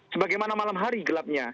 sebagaimana malam hari gelapnya